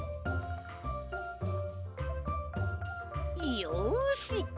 よし。